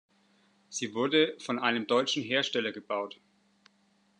Sie wurde von einem deutschen Hersteller gebaut.